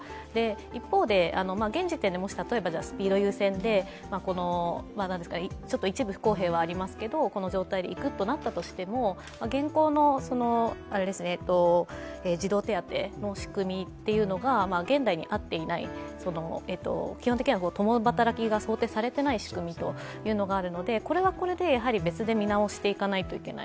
一方で、現時点でもしスピード優先で、一部不公平はありますけれども、この状態でいくとなったとしても現行の児童手当の仕組みが現代に合ってない、基本的には共働きが想定されていない仕組みっていうのがあるのでこれはこれで別で見直していかないといけない。